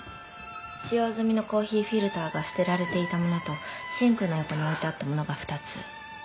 使用済みのコーヒーフィルターが捨てられていたものとシンクの横に置いてあったものが２つ。